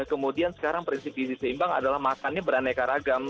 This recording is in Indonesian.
kemudian sekarang prinsip gizi seimbang adalah makannya beraneka ragam